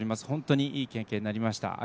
本当にいい経験になりました